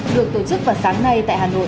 được tổ chức vào sáng nay tại hà nội